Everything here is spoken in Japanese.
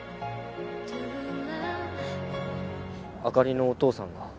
あかりのお父さんが？